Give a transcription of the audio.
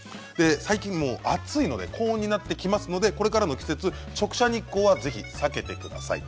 最近、暑いので高温になってきますのでこれからの季節、直射日光はぜひ避けてください。